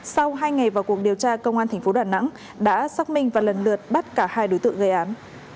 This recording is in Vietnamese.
sau hai ngày vào cuộc điều tra công an tp đà nẵng đã xác minh và lần lượt bắt cả hai đối tượng gây án